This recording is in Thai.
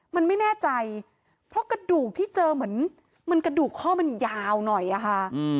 มันไม่แน่ใจเพราะกระดูกที่เจอเหมือนมันกระดูกข้อมันยาวหน่อยอะค่ะ